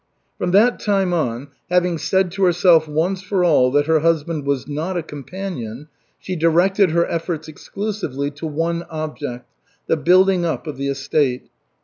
From that time on, having said to herself once for all that her husband was not a companion, she directed her efforts exclusively to one object, the building up of the estate.